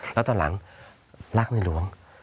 แล้วตอนหลังรักในหลวง